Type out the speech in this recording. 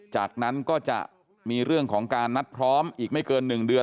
จากนั้นก็จะมีเรื่องของการนัดพร้อมอีกไม่เกิน๑เดือน